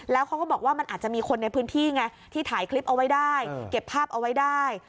แล้วเขาก็บอกว่ามันอาจจะมีคนในพื้นที่ไงที่ถ่ายคลิปเอาไว้ได้เก็บภาพเอาไว้ได้